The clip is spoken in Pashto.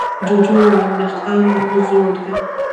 جوجو وويل: دهقان مو زوړ دی.